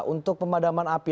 untuk pemadaman api